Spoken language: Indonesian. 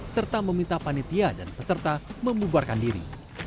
serta meminta panitia dan peserta membubarkan diri